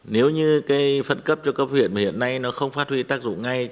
nếu như cái phân cấp cho cấp huyện mà hiện nay nó không phát huy tác dụng ngay